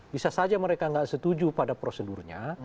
bisa saja mereka nggak setuju pada prosedurnya